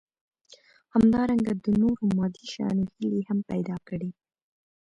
همدارنګه د نورو مادي شيانو هيلې هم پيدا کړي.